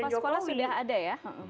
sekolah sekolah sudah ada ya